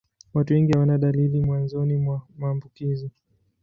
Watu wengi hawana dalili mwanzoni mwa maambukizi.